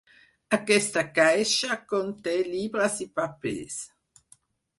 Aquesta caixa conté llibres i papers.